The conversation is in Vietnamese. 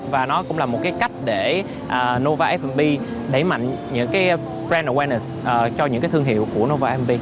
và nó cũng là một cách để nova f b để mạnh những brand awareness cho những thương hiệu của nova f b